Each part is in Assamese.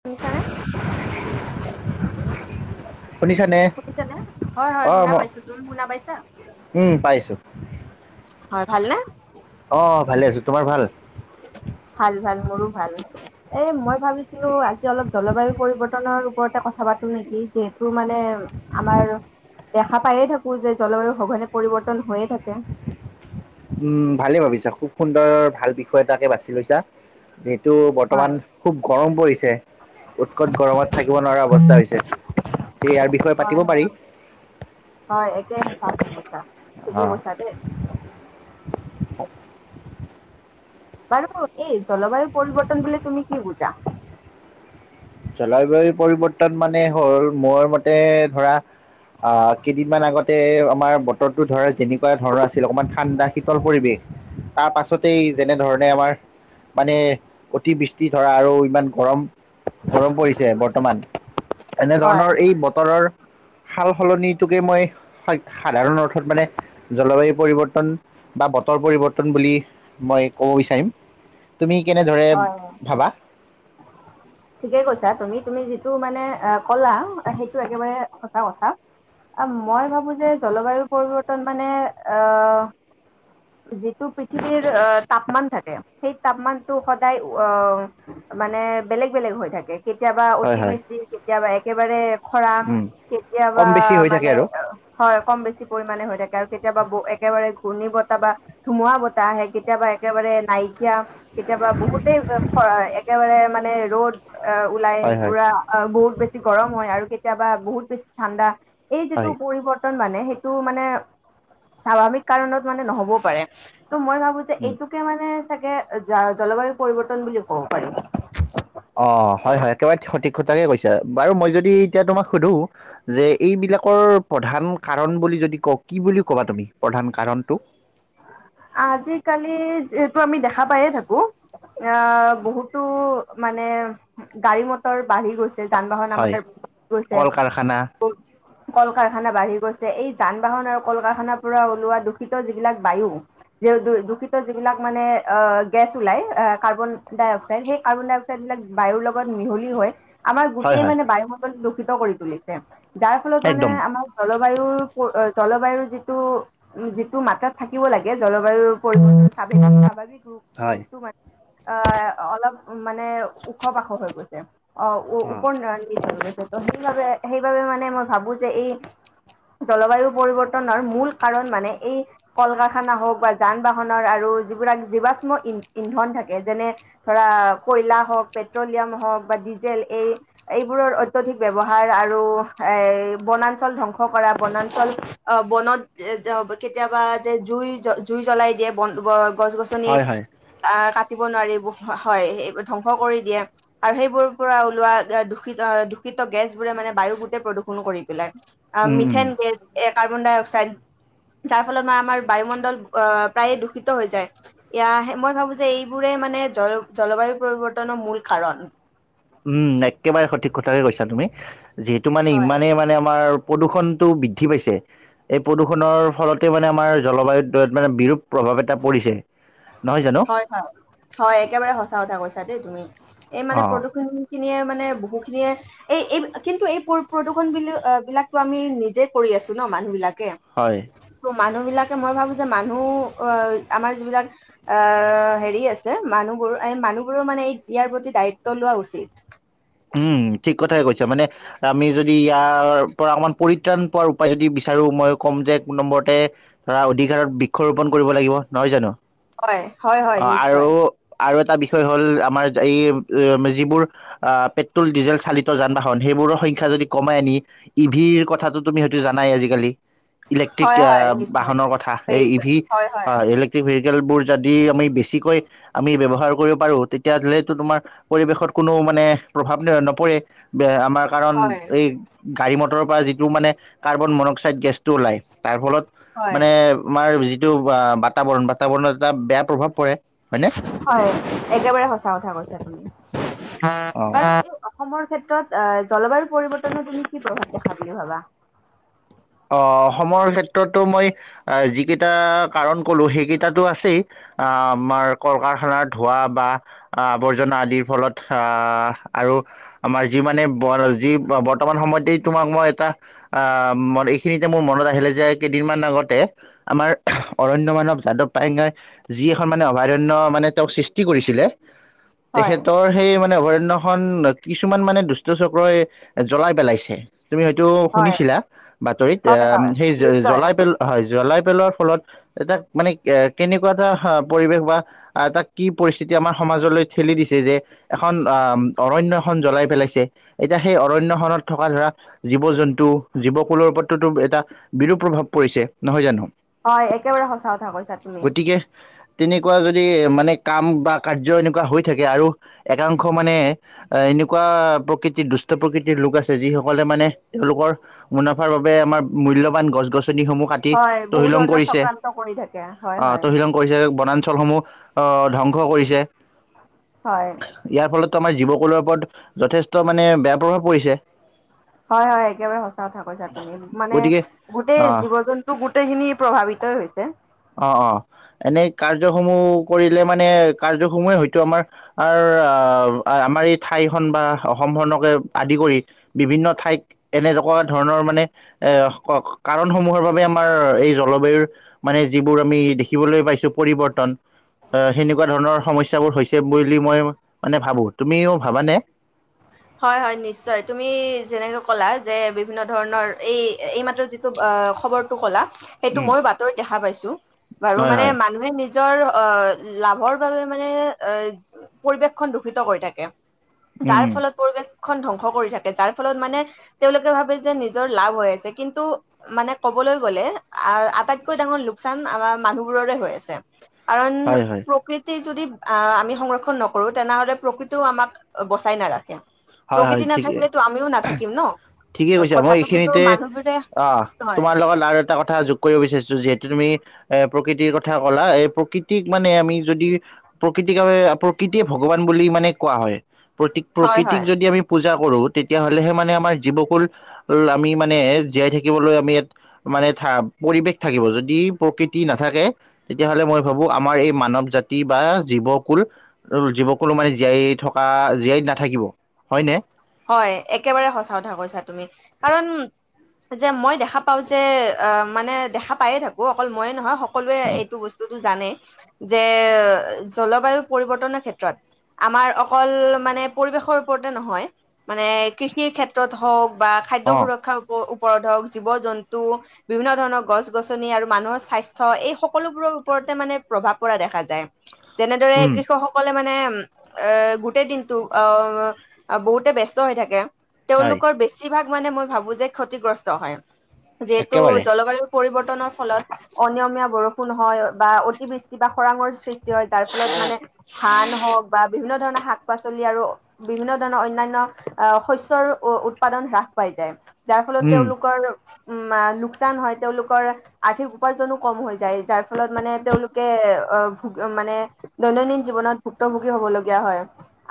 শুনিছানে? শুনিছানে? শুনিছানে? হয় হয় অ শুনা ম পাইছো। তুমি শুনা পাইছা? উম পাইছোঁ। হয়, ভাল না? অ ভালে আছো, তোমাৰ ভাল? ভাল ভাল মোৰো ভাল এ মই ভাবিছিলো আজি অলপ জলবায়ু পৰিৱৰ্তনৰ ওপৰতে কথা পাতো নেকি যিহেতু মানে আমাৰ দেখা পায়ে থাকো যে জলবায়ু সঘনে পৰিৱৰ্তন হৈয়ে থাকে উম ভালে ভাবিছা খুব সুন্দৰ ভাল বিষয় এটাকে বাছি লৈছা। যিহেতু হয় বৰ্তমান খুব গৰম পৰিছে উৎকট গৰমত থাকিব নোৱাৰা অৱস্থা হৈছে তে ইয়াৰ বিষয়ে হয় পাতিব হয় পাৰি। ঠিকেই অ' কৈছা দে বাৰু এই জলবায়ু পৰিৱৰ্তন বুলি তুমি কি বুজা? জলবায়ুৰ পৰিৱৰ্তন মানে হ'ল মোৰ মতে ধৰা আহ কেইদিনমান আগতে আমাৰ বতৰটো ধৰা যেনেকুৱা ধৰণৰ আছিল অকমান ঠাণ্ডা শীতল পৰিৱেশ তাৰ পাছতেই যেনে ধৰণে আমাৰ মানে অতিবৃষ্টি ধৰা আৰু ইমান গৰম গৰম পৰিছে বৰ্তমান হয় এনেধৰণৰ এই বতৰৰ সাল সলনিটোকে মই সাধাৰণ অৰ্থত মানে জলবায়ু পৰিৱৰ্তন বা বতৰ পৰিৱৰ্তন বুলি মই ক'ব বিচাৰিম। তুমি কেনেদৰে হয়। ভাবা? ঠিকেই কৈছা তুমি তুমি যিটো মানে ক'লা সেইটো একেবাৰে সঁচা কথা মই ভাবো যে জলবায়ু পৰিৱৰ্তন মানে আহ যিটো পৃথিৱীৰ তাপমান থাকে সেই তাপমানটো সদায় আহ মানে বেলেগ বেলেগ হৈ থাকে কেতিয়াবা হয় অতি হয় বৃষ্টি কেতিয়াবা এক একেবাৰে খৰাং কেতিয়াবা কম বেছি হৈ থাকে মানে আৰু হয় কম বেছি পৰিমাণে হৈ থাকে আৰু কেতিয়াবা ব একেবাৰে ঘূৰ্ণী বত কেতিবা ধুমুহা বতাহ আহে কেতিয়াবা একেবাৰে নাইকা এতিয়া কেতিয়াবা বহুতেই একেবাৰে মানে ৰ'দ অ ওলাই হয় হয় পুৰা অ বহুত বেছি গৰম হয় আৰু কেতিয়াবা বহুত ঠাণ্ডা এই যিটো হয় পৰিৱৰ্তন মানে সেইটো মানে স্বাভাৱিক কাৰণত মানে নহ'বও পাৰে ত মই ভাবো যে এইটোকে মানে নে জলবায়ু পৰিৱৰ্তন বুলি ক'ব পাৰি অ হয় হয় একেবাৰে সঠিক কথাকে কৈছা বাৰু মই যদি এতিয়া তোমাক সুধো যে এইবিলাকৰ প্ৰধান কাৰণ বুলি যদি কওঁ কি বুলি কবা তুমি প্ৰধান কাৰণটো? আজিকালি যিহেতু আমি দেখা পায়য়ে থাকো অ বহুতো মানে গাড়ী মটৰ বাঢ়ি গৈছে যান বাহন হয় আমাৰ বাঢ়ি গৈছে কল কাৰখানা কল কাৰখানা বাঢ়ি গৈছে এই যান বাহন আৰু কল কাৰখানাৰ পৰা ওলোৱা দূষিত যিবিলাক বায়ু যে দূষিত যিবিলাক মানে আহ গেছ ওলাই আহ কাৰ্বন ডাই অক্সাইড সেই কাৰ্বন ডাই অক্সাইড বিলাক বায়ুৰ লগত মিহলি হয় আমাৰ হয় গোটেই হয় মান বায়ুণ্ডল দুষ ইত কৰি তুলিছে যাৰ ফলত মানে একদম আমাৰ জল জলবায়ুৰ জলবায়ুৰ যিটো উ যিটো মাত্ৰাত থাকিব লাগে জলবায়ুৰ পৰি্ৱৰ্তন [unintelligible] স্বাভাৱিক হয় ৰূপটো মানে অহ অলপ মানে ওখ পাখৰ হৈ গৈছে অ উ অ উপপন ৰ তা পা সেইবাবে সেইবাবে মানে মই ভাবো যে এই জলবায়ু পৰিৱৰ্তনৰ মূল কাৰণ মানে এই কল-কা কাৰখানা হওক বা যান বাহনৰ আৰু যিবাক জীৱাশ্ম ইন ইন্ধন থাকে যেনে ধৰা কয়লা হওক পেট্ৰলিয়াম হওক বা ডিজেল এই এইবোৰৰ অত্যধিক ব্যৱহাৰ আৰু এই বনাঞ্চল ধ্বংস কৰা বনাঞ্চল অ বনত কেতিয়াবা যে জুই জ জুই জ্বলাই দিয়ে বন গছ গছনি হয় হয় আহ কাট দিব নোৱাৰি হ হয় সেইবোৰ ধ্বংস কৰি দিয়ে আৰু সেইবোৰৰ পৰা ওলোৱা দূষিত দূষিত গেছবোৰে মানে বায়ু গোটে প্ৰদূষণ কৰি পেলাই অ উম উম মিথেন গেছ এ কাৰ্বন ডাই অক্স চাইদ যাৰ ফলত আম আমাৰ বায়ুমণ্ডল অহ প্ৰায়ে দূষিত হৈ যায় ইয়া মই ভাবো যে এইবোৰে মানে জল জলবায়ু পৰিৱৰ্তনৰ মূল কাৰণ উম একেবাৰে সঠিক কথাকে কৈছা তুমি যিহেতু মানে হয় ইমানেই মানে আমাৰ প্ৰদূষণটো বৃদ্ধি পাইছে এই প্ৰদূষণৰ ফলতে মানে আমাৰ জলবায়ুত মানে বিৰূপ প্ৰভাৱ এটা পৰিছে নহয় জানো? হয় হয় হয় একেবাৰে সঁচা কথা কৈছ চা দেই তুমি এই মানে অ' প্ৰদূষণ খিনিয়ে মানে মে বহু খিনিয়ে এই এই কিন্তু এই প্ৰদূষণ বি বিলাকতো আমি নিজে কৰি আছো ন মানুহ বিলাক হয় মানুহ বিলাকে মই ভাবো যে মানুহ অহ আমাৰ যিবিলাক আহ হেৰি আছে মানুহবোৰ মানুহবোৰ মানে এই ইয়াৰ প্ৰতি দায়িত্ব লোৱা উচিত উম ঠিক কথাই কৈছা মানে আমি যদি ইয়াৰ পৰা অকণমান পৰিত্ৰাণ পোৱাৰ উপায় যদি বিচাৰোঁ মই ক'ম যে এক নম্বৰতে ধৰা অধিকাৰত বৃক্ষৰোপণ কৰিব লাগিব নহয় জানো হয় হয় হয় অ আৰু নিশ্চয় আৰু এটা বিষয় হ'ল আমাৰ এই যিবোৰ আ পেট্ৰল ডিজেল চালিত যান বাহন সেইবোৰৰ সংখ্যা যদি কমাই আনি ই ভিৰ কথাটো তুমি হয়তো জানাই আজিকালি ইলেক্ট্ৰিক হয়, হয়, আহ নিশ্চয়। বাহনৰ কথা এই ই ভি হয় ইলেক্ট্ৰিক ভ তেলবোৰ যদি আমি বেছিকৈ আমি ব্যৱহাৰ কৰিব পাৰোঁ তেতিয়াহ'লেতো তোমাৰ পৰিৱেশত কোনো মানে প্ৰভাৱ নম নপৰে বেআম আমাৰ কাৰণ হয়, এই গাড়ী মটৰৰ পৰা যিটো মানে কাৰ্বন মনক্সাইড গেছটো ওলায় তাৰ ফলত হয়, মানে আমাৰ যি এইটো বাতাবৰণ বাতাবৰণত এটা বেয়া প্ৰভাৱ পৰে হয়নে হয় একেবাৰে সঁচা কথা কৈছা তুমি উ উ অঁ [unintelligible] অসমৰ ক্ষেত্ৰত অহ জলবায়ু পৰিৱৰ্তনে তুমি কি প্ৰভাৱ দেখা বুলি ভাবা অ অসময়ৰ ক্ষেত্ৰতো মই যিকেইটা কাৰণ কলো সেইকেইটো আছেই আহ আমাৰ কল কাৰখানাৰ ধোঁৱা বা আৱৰ্জনা আদিৰ ফলত আহ আৰু আমাৰ যি মানে যি বৰ্তমান সময়তেই তোমাক মই এটা আহ ম সেইখিনিতে মোৰ মনত আহিলে যে কেইদিনমান আগতে আমাৰ অৰণ্য মানৱ যাদৱ পায়ংয়েই যি এখন মানে অভয়াৰণ্য মানে তেওঁক সৃষ্টি কৰিছিলে হয়, তেখেতৰ সেই মানে অভ হ্য খন কিছুমান মানে দুষ্ট চক্ৰই জ্বলাই পেলাইছে। তুমি হয়তো হয়, শুনিছিলা। বাতৰিত হয়, হয়, সেই জল নিশ্চয়। জ্বলাই পেলোৱা হয় জ্বলাই পেলোৱাৰ ফলত মানে কেনেকুৱা এটা হয়, পৰিৱেশ বা এটা কি পৰিস্থিতি আমাৰ সমাজলৈ ঠেলি দিছে যে এখন অম অৰণয়খন জ্বলাই পেলাইছে এতিয়া সেই অৰণ্যখনত থকা ধৰা জীৱ- জন্তু টো জীৱক পত্ৰটো এটা বিৰূপ প্ৰভাৱ পৰিছে, নহয় জানো। হয়, একেবাৰে সঁচা কথা কৈছা তুমি। গতিকে তেনেকুৱা যদি মানে কাম বা কাৰ্য্য এনেকুৱা হৈ থাকে আৰু একাংশ মানে এনেকুৱা প্ৰকৃতিৰ দুষ্ট প্ৰকৃতিৰ লোক আছে যিসকলে মানে তেওঁলোকৰ মুনাফাৰ বাবে আমাৰ মূল্যবান গছ-গছ ছনিসমূহ কাটি হয়, বহুত তহিলং ধৰণৰ কৰিছে, চক্ৰান্ত কৰি থাকে। হয়, অ', হয়, তহিলং কৰিছে বনা [unintelligible] সমূহ ধ্বংস কৰিছে। হয়, ইয়াৰ ফলত [unintelligible] জীৱকুলৰ ওপৰত যথেষ্ট মানে বেয়া প্ৰভাৱ পৰিছে। হয় হয় একেবাৰে [unintelligible] কৈছা তুমি, মানে গতিকে গোটেই আহ জীৱ জন্তু গোটেই খিনি প্ৰভাৱিতই হৈছে। অ', অ', এনেই কাৰ্যসমূহ কৰিলে মানে, কাৰ্যসমূহে হয়তো আমাৰ, আমাৰ এই ঠাইখন বা অসমখনকে আদি কৰি বিভিন্ন ঠাইক এনেকুৱা ধৰণৰ মানে এ, ক-কাৰণসমূহৰ বাবে আমাৰ এই জলবায়ুৰ মানে যিবোৰ আমি দেখিবলৈ পাইছোঁ পৰিৱৰ্তন, সেনেকুৱা ধৰণৰ সমস্যাবোৰ হৈছে বুলি মই মানে ভাবো, তুমিওঁ ভাবানে? হয় হয়, নিশ্চয় তুমি যেনেকে ক'লা যে বিভিন্ন ধৰণৰ, এই-এইমাত্ৰ যিটো খবৰটো ক'লা সেইটো উম মইও বাতৰিত দেখা পাইছো, বাৰু হয় মানে হয় মানুহে নিজৰ অ', লাভৰ বাবে মানে এ, পৰিৱেশখন দূষিত কৰি থাকে। উম যাৰ উম ফলত খন ধ্বংস কৰি থাকে, যাৰ ফলত মানে তেওঁলোকে ভাবে যে নিজৰ লাভ হৈ আছে কিন্তু, মানে কবলৈ গলে আহ আটাইতকৈ ডাঙৰ লোকচান আমাৰ মানুহবোৰৰে হৈ আছে। কাৰণ হয় হয় প্ৰকৃতি যদি আহ আমি সংৰক্ষন নকৰো, তেনেহলে প্ৰকৃতিও আমাক বচাই নাৰাখে। হয় প্ৰকৃতি হয়, ঠিকে, নাথাকিলেতো আমিও নাথাকিম ন ঠিকে কৈছা মই কথাটো কিন্তু এইখিনিতে মানুহবোৰে অ', হয় তোমাৰ লগত আৰু এটা কথা যোগ কৰিব বিচাৰিছোঁ যিহেতু তুমি এ প্ৰকৃতিৰ কথা ক'লা এ প্ৰকৃতিক মানে আমি যদি প্ৰকৃতিকে প্ৰকৃতিয়ে ভগৱান বুলি মানে কোৱা হয়। প্ৰতি হয় প্ৰকৃৃত তিক হয় যদি আমি পূজা কৰোঁ তেতিয়াহ'লেহে মানে আমাৰ জীৱকুল আমি মানে জীয়াই থাকিবলৈ আমি ইয়াত মানে পৰিৱেশ থাকিব যদি প্ৰকৃতি নাথাকে তেতিয়াহ'লে মই ভাবোঁ আমাৰ এই মানৱ জাতি বা জীৱকুল জীৱকুলো মানে জীয়াই থকা জীয়াই নাথাকিব। হয়নে? হয় একেবাৰে সচা কথা কৈছা তুমি কাৰণ যে মই দেখা পাও যে অ মানে দেখা পায়ে থাকো অকল মইে নহয় সকলোৱে এইটো বস্তুটো জানে যে জলবায়ু পৰিৱৰ্তনৰ ক্ষেত্ৰত আমাৰ অকল মানে পৰিৱেশৰ ওপৰতে নহয় মানে কৃষিৰ ক্ষেত্ৰত হওক বা খাদ্য অ সুৰক্ষাৰ ও পধক জীৱ জন্তু বিভিন্ন ধৰণৰ গছ গছনি আৰু মানুহৰ স্বাস্থ্্য এই সকলোবোৰৰ ওপৰতে মানে প্ৰভাৱ পৰা দেখা যায় যেনেদৰে উম কৃষকসকলে মানে গোটেই দিনতটো অ বহুতে বস্ত ব্য হৈ থাকে হয় তেওঁলোকৰ বেছিভাগ মানে মই ভাবো যে ক্ষতিগ্ৰস্ত হয় যিহেতু একেবাৰে জলবায়ু পৰিৱৰ্তন ফলত অনিয়মীয়া বৰষুণ হয়য় বা অতিবৃষ্টি বা খৰাঙৰ সৃষ্টি হয় যাৰ ফলত মানে খান হওক বা বিভিন্ন ধৰণৰ শাক-পাচলি আৰু বিভিন্ন ধৰণৰ অন্যান্য আ শস্যৰ উ উৎপাদন হ্ৰাস পাই যায়। যাৰ ফলত উম তেওঁলোকৰ উম আ লোকচান হয়, তেওঁলোকৰ আৰ্থিক উপাৰ্জনো কম হৈ যায়। যাৰ ফলত মানে তেওঁলোকে অ ভু মানে দৈনন্দিন জীৱনত ভুক্তভোগী হ'বলগীয়া হয়।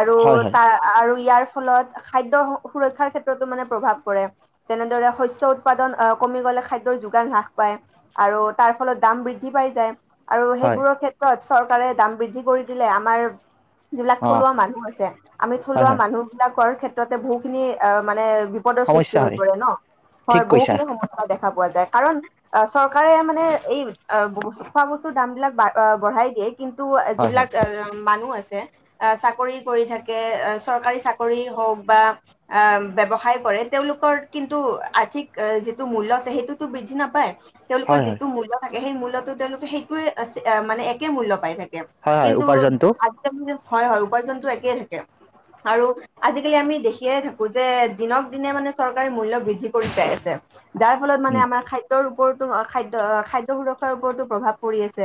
আৰু হয় হয় তাৰ আৰু ইয়াৰ ফলত, খাদ্য সুৰক্ষাৰ ক্ষেত্ৰতো মানে প্ৰভাৱ পৰে। যেনেদৰে শস্য উৎপাদন এ কমি গ'লে খাদ্যৰ যোগান হ্ৰাস পায়, আৰু তাৰ ফলত দাম বৃদ্ধি পাই যায়। আৰু হয় সেইবোৰৰ ক্ষেত্ৰত চৰকাৰে দাম বৃদ্ধি কৰি দিলে আমাৰ যিবিলাক অ থলুৱা মানুহ আছে, আমি হয় থলুৱা হয় মানুহ কৰ ক্ষেত্ৰতে বহু খিনি এ মানে বিপদৰ সৃষ্টি সমস্যা হৈ হয় পৰে ন? ঠিক হয় কৈছা বহুখিনি সম [unintelligible] দেখা খা পোৱা যায় কাৰণ, অ চৰকাৰে মানে এই অ বু খোৱা বস্তুৰ দাম বিলাক বা অ বঢ়াই দিয়ে। কিন্তু এ হয় যিবিলাক হয় [unintelligible] মানুহ আছে। এ চাকৰি কৰি থাকে এ চৰকাৰী চা কৰি হওঁক বা আ ব্যৱসায় কৰে তেওঁলোকৰ কিন্তু আৰ্থিক এ যিটো মূল্য আছে, সেইটোতো বৃদ্ধি নাপায় তেওঁলোকৰ হয় হয় যিটো মূল্য থাক সেই মূল্যতো তেওঁলোকে সেইটোৱে এচ এ মানে একে মূল্য পাই থাকে। হয় হয় কিন্তু, উপাৰ্জনটো আজিকালি হয়, হয় উপাৰ্জনটো একেই থাকে, আৰু আজিকালি আমি দেখিয়ে থাকো যে, দিনক দিনে মানে চৰকাৰে মূল্য বৃদ্ধি কৰি চাই আছে। যাৰ ফলত মানে উম আমাৰ খাদ্যৰ ওপৰতো অ', খাদ্য, খাদ্য সুৰক্ষাৰ ওপৰতো প্ৰভাৱ পৰি আছে।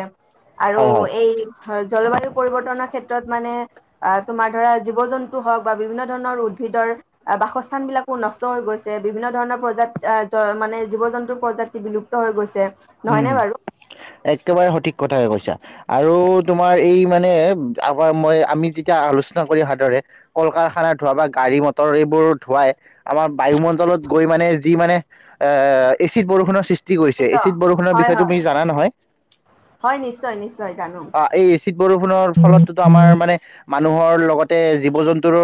আৰু হয় হয় এই হজ জলবায়ু পৰিৱৰ্তনৰ ক্ষেত্ৰত মানে আ, তোমাৰ ধৰা জীৱ-জন্তু হওঁক বা বিভিন্ন ধৰণৰ উদ্ভিদৰ বাসস্থান বিলাকো নষ্ট হৈ গৈছে, বিভিন্ন ধৰণৰ প্ৰজা এ জ মানে জীৱ-জন্তুৰ প্ৰজাতি বিলুপ্ত হৈ গৈছে। নহয়নে উম, বাৰু একেবাৰে সঠিক কথাকে কৈছা। আৰু তোমাৰ এই মানে আগ আ মই আমি তেতিয়া আলোচনা কৰি আহাদৰে, কল কাৰখানা ধোৱা বা গাড়ী মটৰ এইবোৰ ধোৱাই আমাৰ বায়ুমণ্ডলত গৈ মানে যি মানে অ', এচিড বৰষুণৰ সৃষ্ট টি কৰিছে, এচ চিদ বৰষুণৰ হয় বিষয়ে হয় তুমি জানা নহয়? হয় নিশ্চয় নিশ্চয় জানো অ', এই এচিদ বৰষুণৰ ফলততো আমাৰ মানে মানুহৰ লগতে জীৱ-জন্তুৰো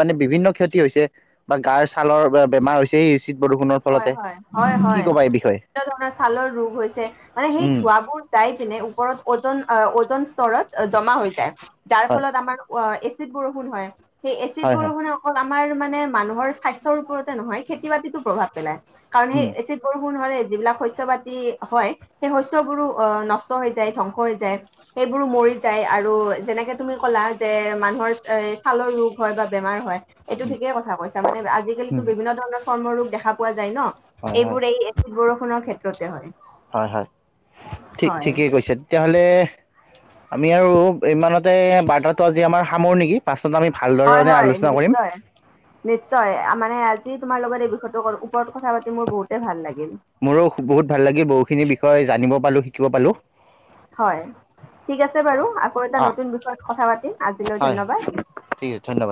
মানে বিভিন্ন ক্ষতি হৈছে, বা গাৰ ছালৰ বে বেমাৰ হৈছে, এই চিদ বৰষুণৰ হয় ফলতে, হয় হয় কি হয় ক'বা এই বিষয়ে? বিভিন্ন ধৰণৰ ছালৰ ৰোগ হৈছে, মানে সেই উম ধোঁৱাবোৰ যাই পিনে ওপৰত অ'জন অ', অ'জন স্তৰত জমা হৈ যায়। যাৰ হয় ফলত আমাৰ ওৱা এ চিদ বৰষুণ হয়। সেই এচিড হয় হয় বৰষুণে অকল আমাৰ মানে মানুহ স্বাস্থ্যৰ ওপৰতে নহয় খেতি বাতিটো প্ৰভাৱ পেলাই। কাৰণ উম সেই বৰষুণ হ'লে যিবিলাক শস্য পাতি হয় সেই শস্যবোৰো নষ্ট হৈ যায় ধ্বংস হৈ যায়, সেইবোৰো মৰি যায় আৰু যেনেকে তুমি ক'লা যে মানুহৰ এ ছালৰ ৰোগ হয় বা বেমাৰ হয়। এইটো উম ঠিকেই কথা কৈছ মানে আজিকালিটো উম বিভিন্ন ধৰণৰ চৰ্ম ৰোগ দেখা পোৱা যায় ন'। হয় হয় এইবোৰেই এচিড বৰষুণ নৰ ক্ষেত্ৰতে হয়। হয়, হয়, ঠিক, হয়, ঠিকেই কৈছে তেতিয়াহ'লে আমি আৰু ইমানতে বাৰ্তাটো আজি আমাৰ সামৰো নেকি পাঁচ হয়, হয়, নিশ্চয়, নিশ্চয় মানে আজ জি তোমাৰ লগত বিষয়টো ওপৰত কথা পাতি মোৰ বহুতে ভাল লাগিল। মোৰো বহুত ভাল লাগি বহুখিনি বিষয়ে জানিব পালোঁ, শিকিব পালোঁ। হয়, ঠিক আছে বাৰু আকৌ এ অ নতুত বিষয়ত কথা পাতিম আজিলৈ হয় ধন্যবাদ। ঠিক আছে ধন্যবাদ